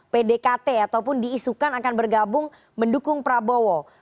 pdkt ataupun diisukan akan bergabung mendukung prabowo